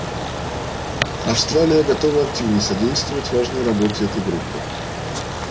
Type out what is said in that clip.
Австралия готова активно содействовать важной работе этой группы.